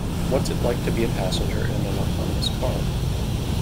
What is it like to be a passenger in an autonomous car?